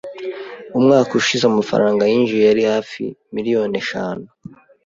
Umwaka ushize amafaranga yinjije yari hafi miliyoni eshanu